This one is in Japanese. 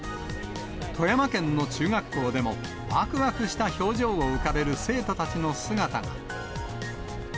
富山県の中学校でも、わくわくした表情を浮かべる生徒たちの姿が。